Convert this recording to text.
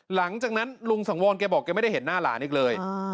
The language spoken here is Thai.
หลังจากนั้นลุงสังวรแกบอกแกไม่ได้เห็นหน้าหลานอีกเลย